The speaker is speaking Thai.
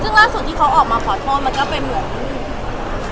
ซึ่งล่าสุดที่เขาออกมาขอโทษมันก็เป็นเหมือน